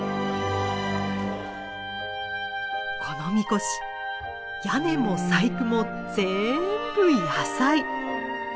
この神輿屋根も細工もぜんぶ野菜。